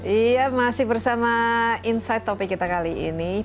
iya masih bersama insight topik kita kali ini